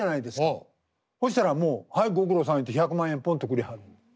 ほしたらもう「はいご苦労さん」言うて１００万円ぽんとくれはる。